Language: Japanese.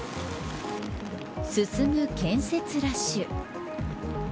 進む建設ラッシュ。